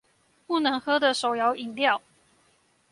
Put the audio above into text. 不能喝的手搖飲料